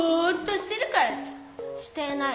してない。